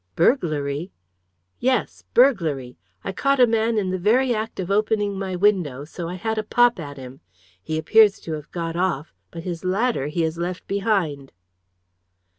"Burglary?" "Yes, burglary. I caught a man in the very act of opening my window, so I had a pop at him. He appears to have got off; but his ladder he has left behind."